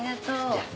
じゃあ。